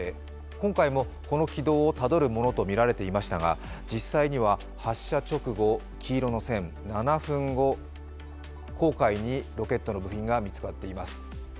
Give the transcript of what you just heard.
今回もこの軌道をたどるものとみられていましたが実際には発射直後、黄色の線、７分後、黄海にロケットの部品が見つかっています。